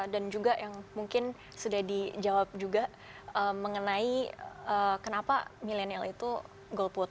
dan juga yang mungkin sudah dijawab juga mengenai kenapa milenial itu golput